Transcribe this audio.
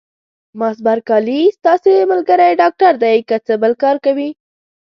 مس بارکلي: ستاسي ملګری ډاکټر دی، که څه بل کار کوي؟